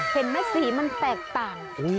เห็นมั้ยสีมันแปลกต่าง